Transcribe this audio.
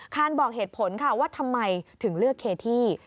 บอกเหตุผลค่ะว่าทำไมถึงเลือกเคที่